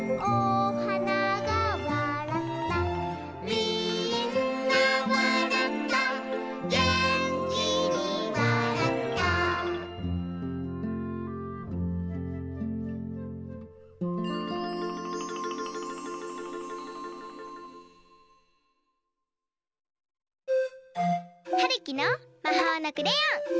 「みんなわらったげんきにわらった」はるきのまほうのクレヨン！